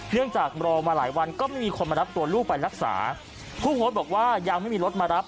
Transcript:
จากรอมาหลายวันก็ไม่มีคนมารับตัวลูกไปรักษาผู้โพสต์บอกว่ายังไม่มีรถมารับ